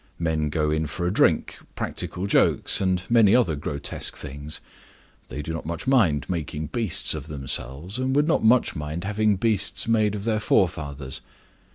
Men go in for drink, practical jokes and many other grotesque things; they do not much mind making beasts of themselves, and would not much mind having beasts made of their forefathers.